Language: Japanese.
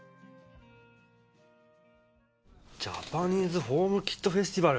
ジャパニーズ・ホームキット・フェスティバル。